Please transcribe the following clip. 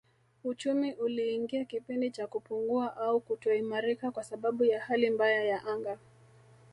Uchumi uliingia kipindi cha kupungua au kutoimarika kwa sababu ya hali mbaya ya anga